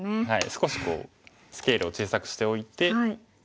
少しスケールを小さくしておいて。